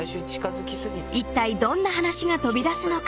［いったいどんな話が飛び出すのか？］